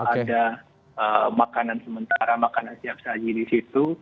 ada makanan sementara makanan siap saji di situ